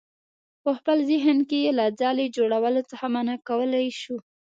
په خپل ذهن کې یې له ځالې جوړولو څخه منع کولی شو.